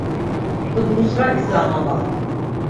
تو دوسرا اسلام آباد۔